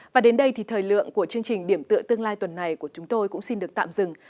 và đến đây thì thời lượng của chương trình điểm tựa tương lai tuần này của chúng tôi cũng xin được tạm dừng